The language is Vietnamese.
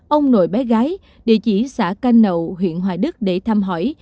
ông nội bé gái địa chỉ xã canh nậu huyện hoài đức để thăm hỏi